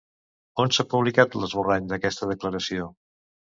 On s'ha publicat l'esborrany d'aquesta declaració?